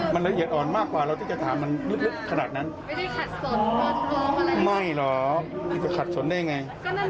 ไม่หรอมันจะขัดสนได้ยังไง